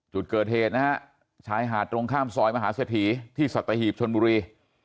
จุดเกิดเหตุนะฮะชายหาดตรงข้ามซอยมหาเสถีย์ที่สัตหีบชนบุรี